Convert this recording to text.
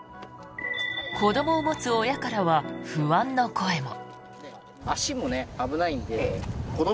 子どもを持つ親からは不安の声も。